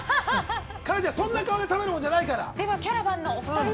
そんな顔で食べるものじゃないから。